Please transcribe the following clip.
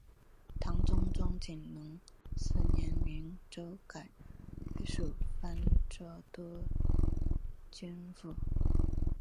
唐中宗景龙四年明州改属播州都督府。